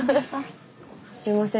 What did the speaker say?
すいません